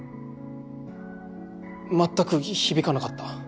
全く響かなかった。